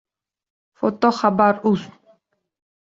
Foto: «Xabar.uz»